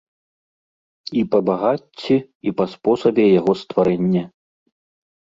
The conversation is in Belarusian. І па багацці, і па спосабе яго стварэння.